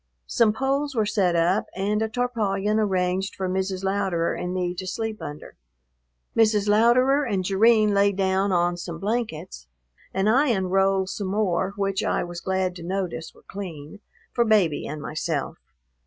Some poles were set up and a tarpaulin arranged for Mrs. Louderer and me to sleep under. Mrs. Louderer and Jerrine lay down on some blankets and I unrolled some more, which I was glad to notice were clean, for Baby and myself.